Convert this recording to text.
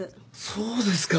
そうですか。